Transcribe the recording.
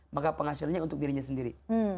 maka penghasilannya untuk dirinya sendiri